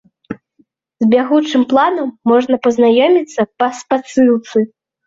З бягучым планам можна пазнаёміцца па спасылцы.